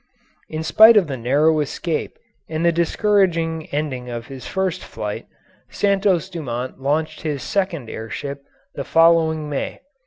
In spite of the narrow escape and the discouraging ending of his first flight, Santos Dumont launched his second air ship the following May.